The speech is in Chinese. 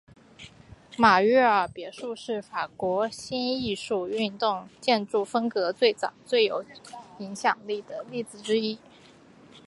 马约尔勒别墅是法国新艺术运动建筑风格最早和最有影响力的例子之一。